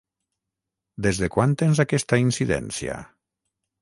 Des de quan tens aquesta incidència?